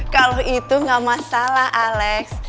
kalo itu gak masalah alex